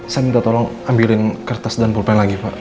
saya minta tolong ambilin kertas dan polpel lagi pak